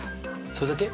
それだけ？